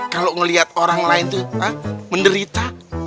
kalau melihat orang lain itu menderita